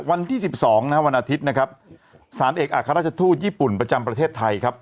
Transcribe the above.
วันที่๑๒นะครับวันอาทิตย์นะครับสารเอกอัครราชทูตญี่ปุ่นประจำประเทศไทยครับ